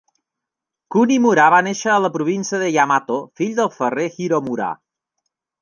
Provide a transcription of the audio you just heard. Kunimura va néixer a la província de Yamato fill del ferrer Hiromura.